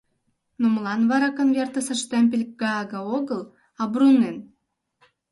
Но молан вара конвертысе штемпель Гаага огыл, а Бруннен?..